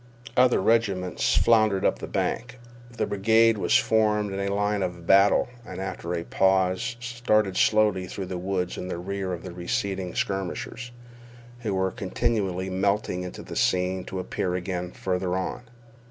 Other regiments floundered up the bank. The brigade was formed in line of battle, and after a pause started slowly through the woods in the rear of the receding skirmishers, who were continually melting into the scene to appear again farther on.